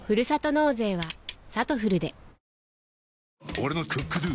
俺の「ＣｏｏｋＤｏ」！